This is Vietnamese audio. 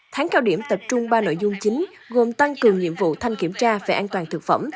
tháng cao điểm tập trung ba nội dung chính gồm tăng cường nhiệm vụ thanh kiểm tra về an toàn thực phẩm